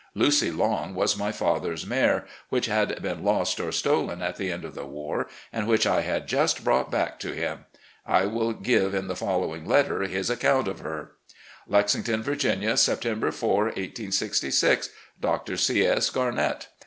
"Lucy Long" was my father's mare, which had been lost or stolen at the end of the war, and which I had just brought back to him. I will give in the following letter his account of her : "Lexington, Virginia, September 4, 1866. "Dr. C. S. Garnett.